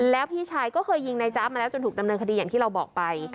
แล้วพี่ชายก็เคยยิงนายจ๊ะมาแล้วจนถูกดำเนินคดีอย่างที่เราบอกไป